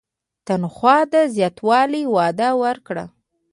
تنخوا د زیاتولو وعده ورکړه.